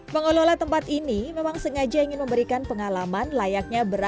pengelola tempat ini memang sengaja ingin memberikan pengalaman layaknya beras